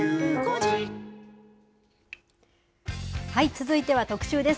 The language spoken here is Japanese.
続いては特集です。